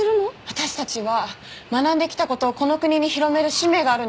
私たちは学んできた事をこの国に広める使命があるのよ。